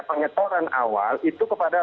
pengetahuan awal itu kepada